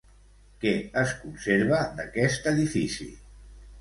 Què es conserva d'aquest edifici?